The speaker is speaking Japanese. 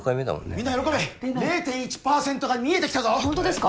みんな喜べ０．１％が見えてきたぞホントですか？